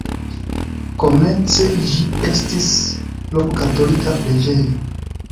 Komence ĝi estis romkatolika preĝejo.